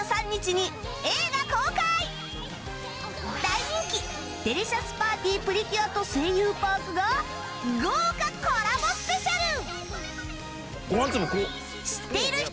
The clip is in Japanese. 大人気『デリシャスパーティプリキュア』と『声優パーク』が豪華コラボスペシャル！